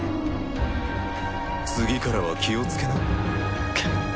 次からは気をつけな。